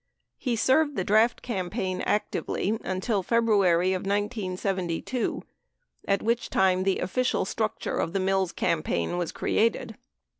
1 2 He served the draft campaign actively until February of 1972, at which time the official structure of the Mills campaign was created.